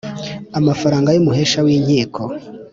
amafaranga y umuhesha w inkiko.